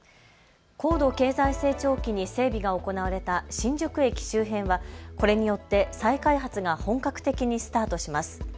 高度経済成長期に整備が行われた新宿駅周辺はこれによって再開発が本格的にスタートします。